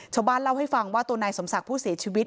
ชาวบ้านเล่าให้ฟังว่าตัวนายสมศักดิ์ผู้เสียชีวิต